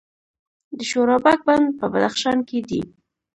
د شورابک بند په بدخشان کې دی